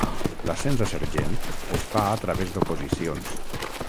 L'ascens a sergent es fa a través d'oposicions.